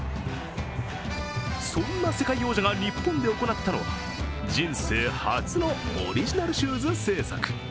そんな世界王者が日本で行ったのは人生初のオリジナルシューズ制作。